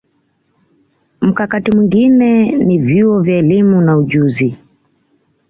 Mkakati mwingine ni vyuo vya elimu na ujuzi w